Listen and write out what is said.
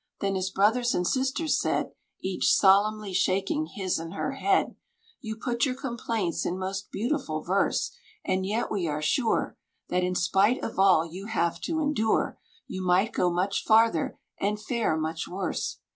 Then his brothers and sisters said, Each solemnly shaking his and her head, "You put your complaints in most beautiful verse, And yet we are sure, That, in spite of all you have to endure, You might go much farther and fare much worse.